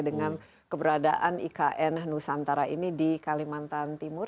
dengan keberadaan ikn nusantara ini di kalimantan timur